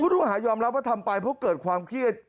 ต้องหายอมรับว่าทำไปเพราะเกิดความเครียด